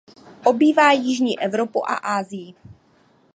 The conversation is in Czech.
Obývá Jižní Evropu a Asii.